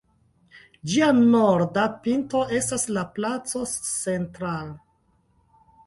Ĝia norda pinto estas la placo "Central".